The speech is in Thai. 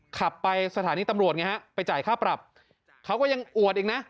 ขับไปสถานีตำรวจไงฮะไปจ่ายค่าปรับเขาก็ยังอวดอีกนะ